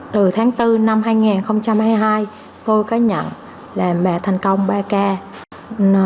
từ tháng bốn năm hai nghìn hai mươi hai tôi có nhận là mẹ thành công ba ca